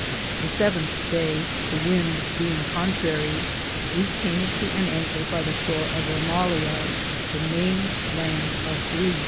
The 7th daye, the wynde beinge contrarie, we came to an anker by the shore of Romalea, the maine lande of Grece.